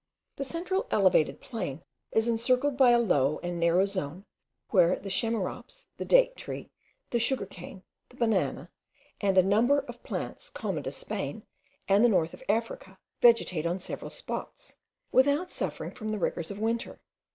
The central elevated plain is encircled by a low and narrow zone, where the chamaerops, the date tree, the sugar cane, the banana, and a number of plants common to Spain and the north of Africa, vegetate on several spots, without suffering from the rigours of winter.